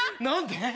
何で？